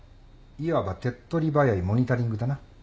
いわば手っ取り早いモニタリングだな。